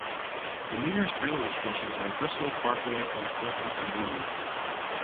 The nearest railway stations are Bristol Parkway and Filton Abbey Wood.